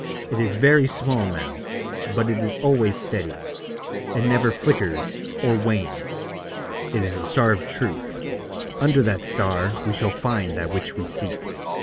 It is very small now, but it is always steady; it never flickers or wanes. It is the star of Truth. Under that star we shall find that which we seek.'